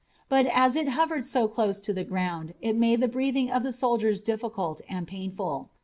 But as it hovered so close to the ground it made the breathing of the soldiers difficult and painful.